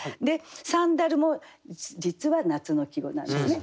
「サンダル」も実は夏の季語なんですね。